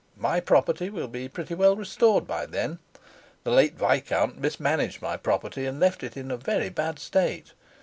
My property will be pretty well restored by then. The late viscount mismanaged my property, and left it in a very bad state.